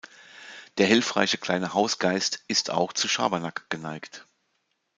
Der hilfreiche kleine Hausgeist ist auch zu Schabernack geneigt.